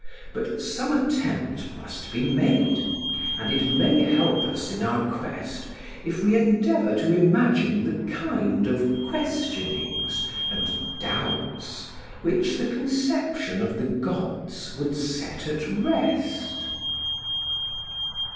But some attempt must be made; and it may help us in our quest if we endeavour to imagine the kind of questionings and doubts which the conception of the gods would set at rest.